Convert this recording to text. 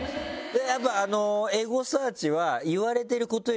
やっぱエゴサーチは。